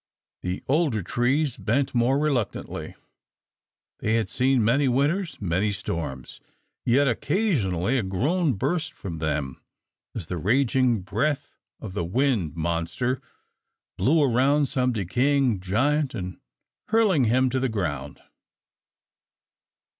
The older trees bent more reluctantly. They had seen many winters, many storms, yet occasionally a groan burst from them as the raging breath of the wind monster blew around some decaying giant and hurled him to the ground.